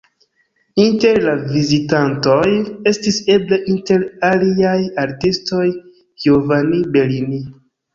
Inter la vizitantoj estis eble, inter aliaj artistoj, Giovanni Bellini.